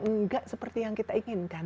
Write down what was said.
enggak seperti yang kita inginkan